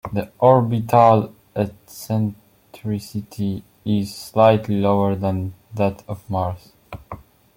The orbital eccentricity is slightly lower than that of Mars.